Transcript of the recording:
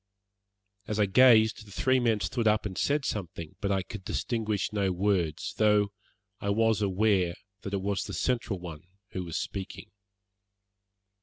As I gazed the three men stood up and said something, but I could distinguish no words, though I was aware that it was the central one who was speaking.